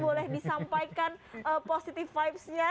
boleh disampaikan positive vibesnya